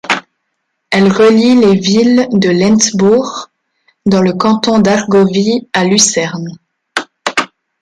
Elle relie les villes de Lenzbourg, dans le canton d'Argovie, à Lucerne.